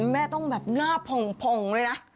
แม่ต้องแบบหน้าผ่องเลยนะ